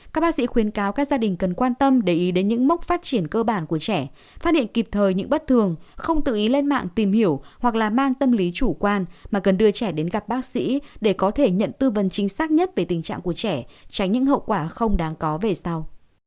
các bác sĩ khuyên cáo các gia đình cần quan tâm để ý đến những mốc phát triển cơ bản của trẻ phát hiện kịp thời những bất thường không tự ý lên mạng tìm hiểu hoặc là mang tâm lý chủ quan mà cần đưa trẻ đến gặp bác sĩ để có thể nhận tư vấn chính xác nhất về tình trạng của trẻ tránh những hậu quả không đáng có về sau